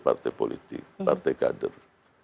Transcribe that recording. partai politik partai kader